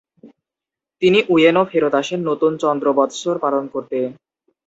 তিনি উএনো ফেরত আসেন নতুন চন্দ্রোবৎসর পালন করতে।